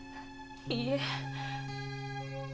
いいえ。